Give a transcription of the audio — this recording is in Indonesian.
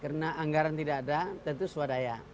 karena anggaran tidak ada tentu swadaya